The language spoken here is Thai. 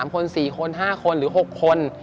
๓คน๔คน๕คนหรือ๖คน